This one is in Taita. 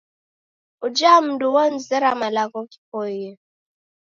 Uja mundu wonizera malagho ghipoie.